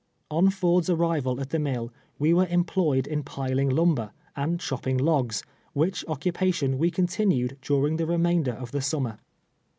On Ford's arrival at the mill, we were employed in piling lumber, and chopping logs, which occupation we continued during the remainder of the summer.